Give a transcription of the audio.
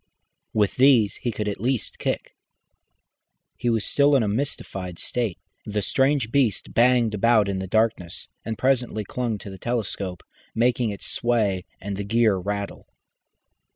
With these he could at least kick. He was still in a mystified state. The strange beast banged about in the darkness, and presently clung to the telescope, making it sway and the gear rattle.